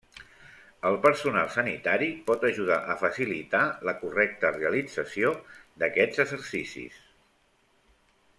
El personal sanitari pot ajudar a facilitar la correcta realització d'aquests exercicis.